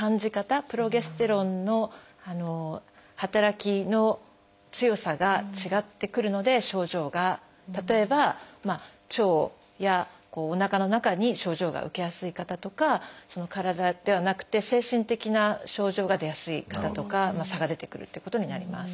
プロゲステロンの働きの強さが違ってくるので症状が例えば腸やおなかの中に症状が受けやすい方とか体ではなくて精神的な症状が出やすい方とか差が出てくるってことになります。